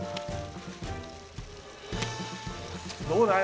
どうだい？